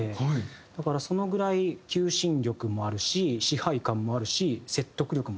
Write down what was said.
だからそのぐらい求心力もあるし支配感もあるし説得力もあるし。